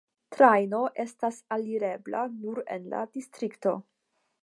Trajno estas alirebla nur en la distrikto.